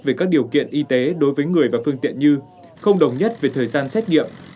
về các điều kiện y tế đối với người và phương tiện như không đồng nhất về thời gian xét nghiệm